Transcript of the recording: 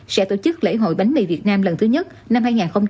sẽ tổ chức lễ hội bánh mì việt nam lần thứ nhất năm hai nghìn hai mươi